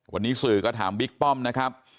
วันนี้สื่อก็ถามบิ๊กป้อมนะครับ